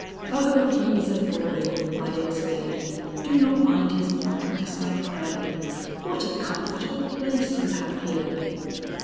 "Oh, he's a boy!" I exclaimed. "Do not mind his pranks, I pray. What a comfortable place you have here!"